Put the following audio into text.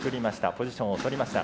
ポジションを取りました。